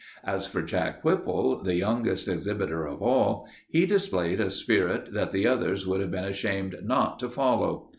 As for Jack Whipple, the youngest exhibitor of all, he displayed a spirit that the others would have been ashamed not to follow.